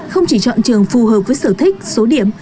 không chỉ chọn trường phù hợp với sở thích số điểm